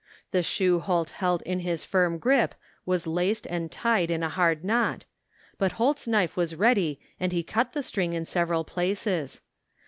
The shoe Holt held in his firm grip was laced and tied in a hard knot, but Holt's knife was ready and he cut the string in several places.